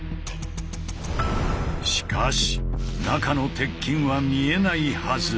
しかし中の鉄筋は見えないはず。